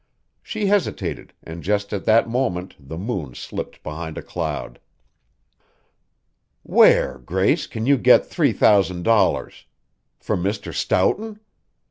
She hesitated, and just at that moment the moon slipped behind a cloud. "Where, Grace, can you get three thousand dollars? From Mr. Stoughton?